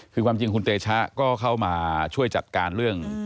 คือความจริงคุณเตชะก็เข้ามาช่วยจัดการเรื่อง